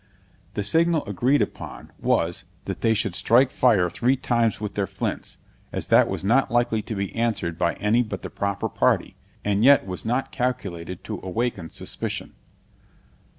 The signal agreed upon, was, that they should strike fire three times with their flints, as that was not likely to be answered by any but the proper party, and yet was not calculated to awaken suspicion.